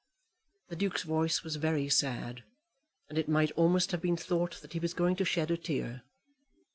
The Duke's voice was very sad, and it might almost have been thought that he was going to shed a tear.